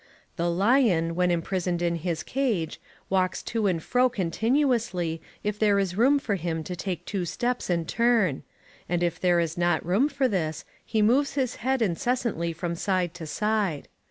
The lion, when imprisoned in his cage, walks to and fro continuously, if there is room for him to take two steps and turn; and if there is not room for this, he moves his head incessantly from side to side.